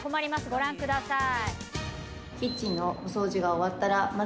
ご覧ください。